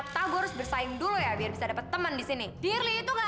sampai jumpa di video selanjutnya